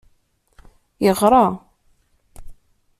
Yeɣra.